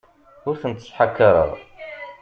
Ur tent-ttḥakaṛeɣ.